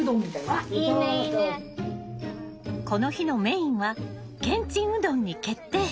この日のメインはけんちんうどんに決定。